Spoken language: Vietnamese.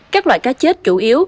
các loại cá chết chủ yếu